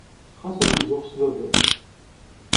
Ɣas ad izuxx s baba-s.